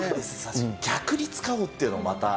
逆に使おうっていうのもまた。